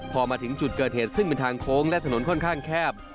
พอมาถึงจุดเกิดเหตุซึ่งเป็นทางโค้งและถนนค่อนข้างแคบ